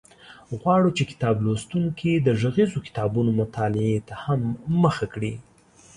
غواړو چې کتاب لوستونکي د غږیزو کتابونو مطالعې ته هم مخه کړي.